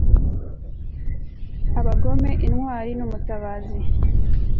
abagomwe intwari n'umutabazi